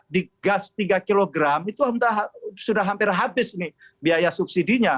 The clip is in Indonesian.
di gas tiga kg itu sudah hampir habis nih biaya subsidi nya